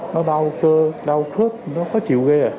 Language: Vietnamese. nó đau cơ đau khớp nó khó chịu ghê